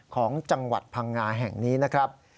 ของจังหวัดพังงาแห่งนี้นะครับ